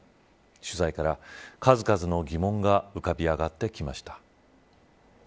取材から数々の疑問が浮かび上がってきました。